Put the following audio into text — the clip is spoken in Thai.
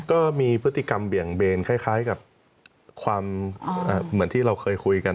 ก็มีพฤติกรรมเบี่ยงเบนคล้ายกับความเหมือนที่เราเคยคุยกัน